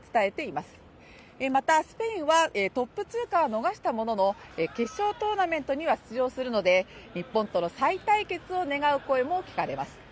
またスペインはトップ通過を逃したものの決勝トーナメントには出場するので、日本との再対決を願う声も聞かれます。